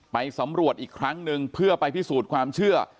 ไปสำรวจอีกครั้งหนึ่งเพื่อไปพิสูจน์ความเชื่อ